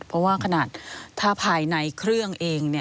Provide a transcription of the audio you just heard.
เพราะว่าขนาดถ้าภายในเครื่องเองเนี่ย